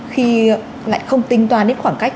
khi lại không tinh toan đến khoảng cách